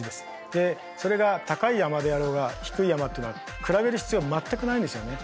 でそれが高い山であろうが低い山っていうのは比べる必要は全くないんですよね。